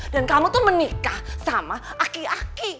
dan kamu tuh menikah sama aki aki